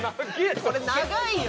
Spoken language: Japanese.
これ長いよ。